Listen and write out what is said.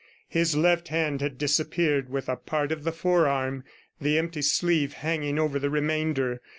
His left hand had disappeared with a part of the forearm, the empty sleeve hanging over the remainder.